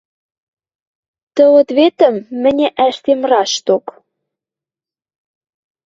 Тӹ ответӹм мӹньӹ ӓштем рашток —